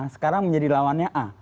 sekarang menjadi lawannya a